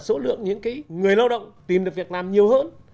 số lượng những người lao động tìm được việc làm nhiều hơn